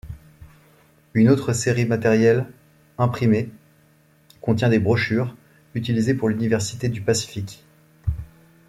Une autre série matériel imprimés, contient des brochures utilisés pour l'université du Pacifique.